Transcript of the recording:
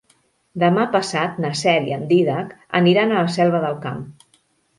Demà passat na Cel i en Dídac aniran a la Selva del Camp.